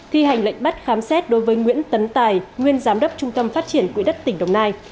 thi hành lệnh bắt khám xét đối với nguyễn tấn tài nguyên giám đốc trung tâm phát triển quỹ đất tỉnh đồng nai